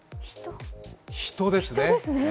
人ですね。